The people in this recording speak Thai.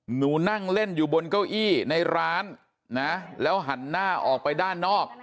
หนูนั่งเล่นอยู่บนเก้าอี้ในร้านนะแล้วหันหน้าออกไปด้านนอก